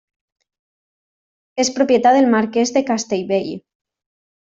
És propietat del marquès de Castellvell.